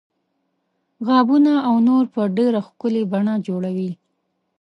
غابونه او نور په ډیره ښکلې بڼه جوړوي.